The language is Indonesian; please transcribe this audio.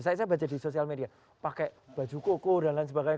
saya baca di sosial media pakai baju koko dan lain sebagainya